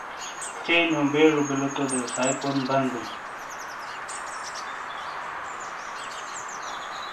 چے نیو بیجو بیلو تو دیوسائی پون بند نے بیئں۔